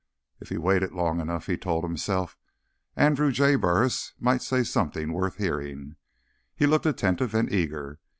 If he waited long enough, he told himself, Andrew J. Burris might say something worth hearing. He looked attentive and eager.